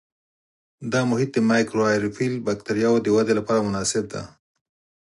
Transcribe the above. دا محیط د مایکروآیروفیل بکټریاوو د ودې لپاره مناسب دی.